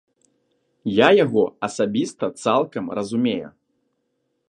Я яго асабіста цалкам разумею.